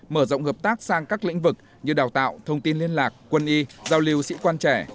mở rộng hợp tác sang các lĩnh vực như đào tạo thông tin liên lạc quân y giao lưu sĩ quan trẻ